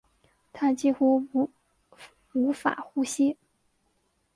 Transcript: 她几乎无法呼吸